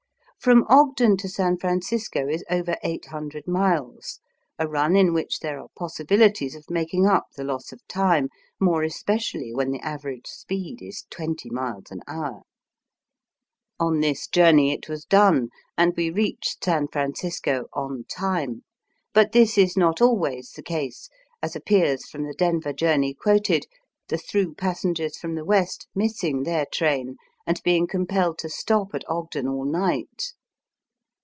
From Ogden to San Francisco is over eight hundred miles, a run in which there are possibilities of making up the loss of time, more especially when the average speed is twenty miles an hour. On this journey it was done, Digitized by VjOOQIC 162 EA.ST BY WEST. and we reached San Francisco "on time." But this is not always the case, as appears from the Denver journey quoted, the through passengers from the West missing their train, and heing compelled to stop at Ogden all night.